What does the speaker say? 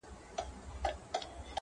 • مجاهد د خداى لپاره دى لوېــدلى ـ